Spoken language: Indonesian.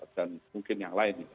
dan mungkin yang lain